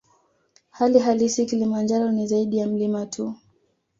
Hali halisi Kilimanjaro ni zaidi ya mlima tu